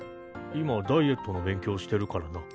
今ダイエットの勉強してるからな。